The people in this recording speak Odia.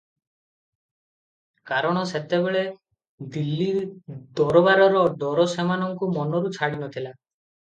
କାରଣ ସେତେବେଳେ ଦିଲ୍ଲୀ ଦରବାରର ଡର ସେମାନଙ୍କୁ ମନରୁ ଛାଡ଼ି ନଥିଲା ।